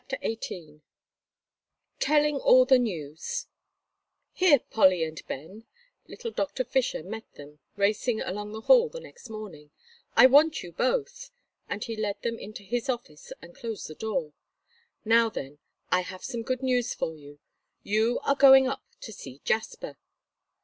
XVIII TELLING ALL THE NEWS "Here, Polly and Ben," little Doctor Fisher met them racing along the hall the next morning, "I want you both," and he led them into his office and closed the door. "Now then, I have some good news for you. You are to go up to see Jasper!"